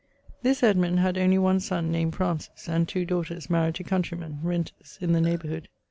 _> This Edmund had only one son named Francis, and two daughters maried to countreymen (renters) in the neighborhood.